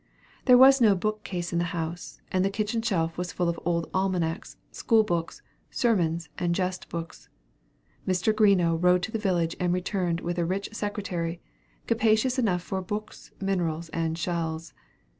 There was no book case in the house; and the kitchen shelf was full of old almanacs, school books, sermons, and jest books. Mr. Greenough rode to the village, and returned with a rich secretary, capacious enough for books, minerals, and shells.